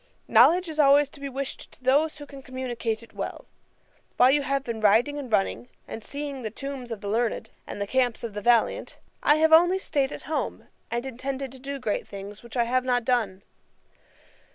Knowledge is always to be wished to those who can communicate it well. While you have been riding and running, and seeing the tombs of the learned, and the camps of the valiant, I have only staid at home, and intended to do great things, which I have not done.